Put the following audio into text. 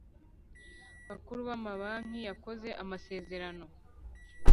Bakuru b amabanki yakoze amasezerano